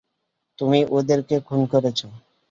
তুমিই ওদেরকে খুন করেছ!